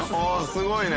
すごいね。